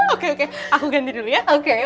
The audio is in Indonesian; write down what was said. oke oke aku ganti dulu ya oke